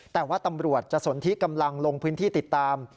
แต่ว่าตำรวจจะสนทิกำลังลงพื้นที่ติดตาม